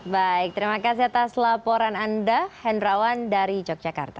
baik terima kasih atas laporan anda hendrawan dari yogyakarta